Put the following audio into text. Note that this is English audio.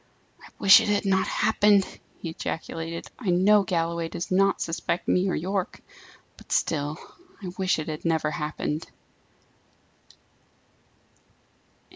"I wish it had not happened!" he ejaculated. "I know Galloway does not suspect me or Yorke: but still I wish it had never happened!"